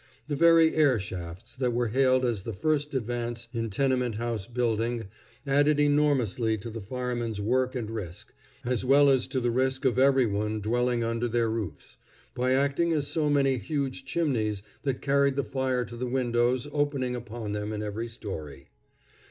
The very air shafts that were hailed as the first advance in tenement house building added enormously to the fireman's work and risk, as well as to the risk of every one dwelling under their roofs, by acting as so many huge chimneys that carried the fire to the windows opening upon them in every story.